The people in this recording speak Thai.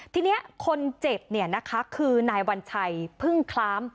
ทีนี้คนเจ็บคือนายวัญชัยพึ่งคล้าม